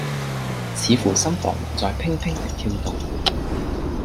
似乎心房還在怦怦的跳動。